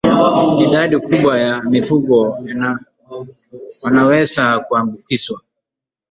idadi kubwa ya mifugo wanaweza kuambukizwa